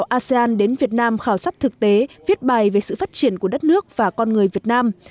asean đến việt nam khảo sát thực tế viết bài về sự phát triển của đất nước và con người việt nam